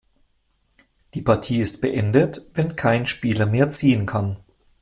Die Partie ist beendet, wenn kein Spieler mehr ziehen kann.